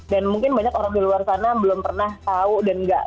dan mungkin banyak orang di luar sana belum pernah tau dan gak tau